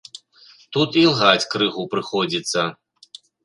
Тут ілгаць крыху прыходзіцца.